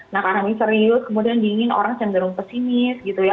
nah karena ini serius kemudian dingin orang cenderung pesimis gitu ya